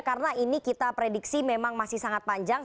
karena ini kita prediksi memang masih sangat panjang